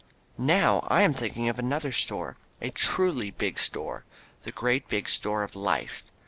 Now I am thinking of another big store, a truly big store, the great big store of Life.